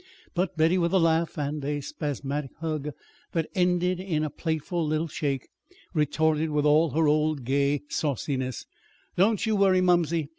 But Betty, with a laugh and a spasmodic hug that ended in a playful little shake, retorted with all her old gay sauciness: "Don't you worry, mumsey.